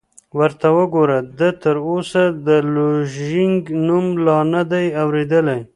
ورته وګوره، ده تراوسه د لوژینګ نوم لا نه دی اورېدلی!